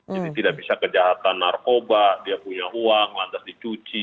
jadi tidak bisa kejahatan narkoba dia punya uang lantas dicuci